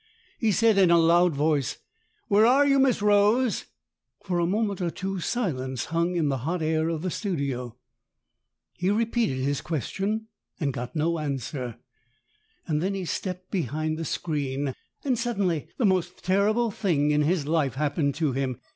He said in a loud voice, "Where are you, Miss Rose?" For a moment or two silence hung in the hot air of the studio. He repeated his question and got no answer. Then he stepped behind the screen, and suddenly the most terrible thing in his life happened to him.